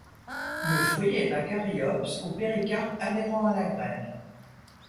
Le fruit est un caryopse au péricarpe adhérent à la graine.